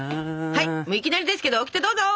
はいいきなりですけどオキテどうぞ！